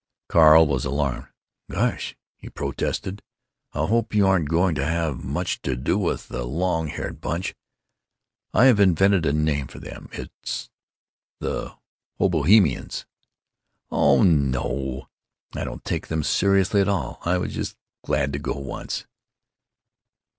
Carl was alarmed. "Gosh!" he protested, "I hope you aren't going to have much to do with the long haired bunch.... I've invented a name for them—'the Hobohemians.'" "Oh no o! I don't take them seriously at all. I was just glad to go once."